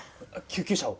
救急車を。